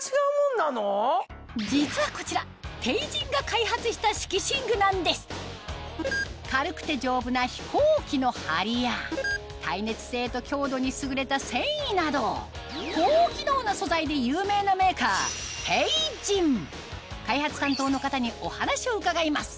実はこちら軽くて丈夫な飛行機の梁や耐熱性と強度に優れた繊維など高機能な素材で有名なメーカー開発担当の方にお話を伺います